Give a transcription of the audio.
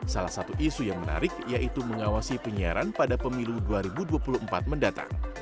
salah satu isu yang menarik yaitu mengawasi penyiaran pada pemilu dua ribu dua puluh empat mendatang